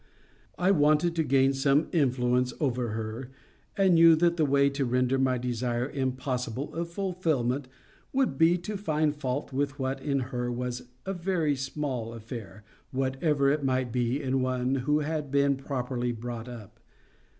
I wanted to gain some influence over her, and knew that the way to render my desire impossible of fulfilment would be, to find fault with what in her was a very small affair, whatever it might be in one who had been properly brought up.